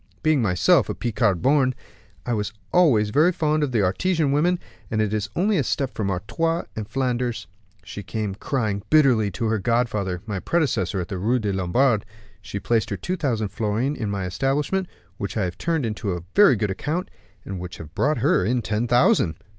Being myself a Picard born, I was always very fond of the Artesian women, and it is only a step from Artois to Flanders; she came crying bitterly to her godfather, my predecessor in the Rue des Lombards; she placed her two thousand florins in my establishment, which I have turned to very good account, and which have brought her in ten thousand."